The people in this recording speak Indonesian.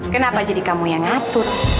kenapa jadi kamu yang ngatur